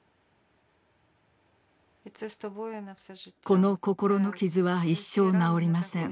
この心の傷は一生治りません。